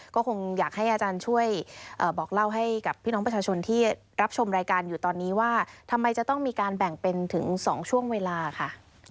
ก็คงอยากให้อาจารย์ช่วยบอกเล่าให้กับพี่น้องประชาชนที่รับชมรายการอยู่ตอนนี้ว่าทำไมจะต้องมีการแบ่งเป็นถึง๒ช่วงเวลาค่ะ